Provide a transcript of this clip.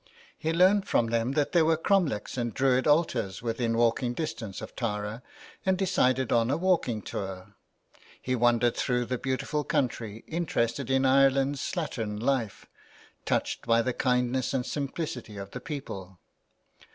He learned from them that there were cromlechs and Druid altars within walking distance of Tara, and decided on a walking tour. He wandered through the beautiful country, interested in Ireland's slattern life, touched by the kindness and simplicity of the people.